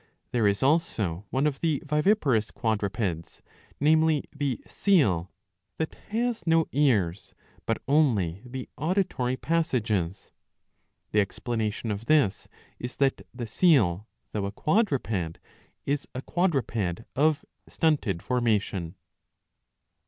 There is also one of the viviparous quadrupeds, namely the seal, that has no ears but only the auditory passages.^ The explanation of this is that the seal though a quadruped is a quadruped of stunted formation.